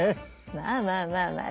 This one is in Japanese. まあまあまあまあ